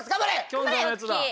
きょんさんのやつだ。